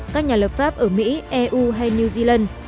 các nhà lập pháp ở mỹ eu hay new zealand